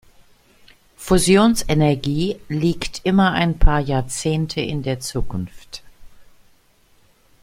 Fusionsenergie liegt immer ein paar Jahrzehnte in der Zukunft.